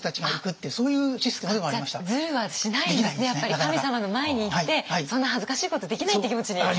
神様の前に行ってそんな恥ずかしいことできない！って気持ちになる。